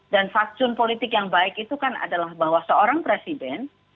dan faksun politik yang baik itu kan adalah bahwa seorang presiden